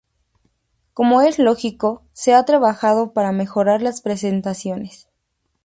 Como es lógico, se ha trabajado para mejorar las prestaciones.